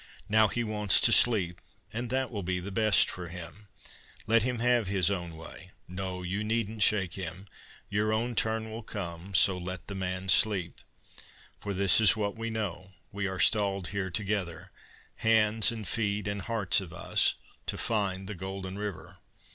Now he wants to sleep, and that will be the best for him. Let him have his own way no, you needn't shake him Your own turn will come, so let the man sleep. For this is what we know: we are stalled here together Hands and feet and hearts of us, to find the golden river.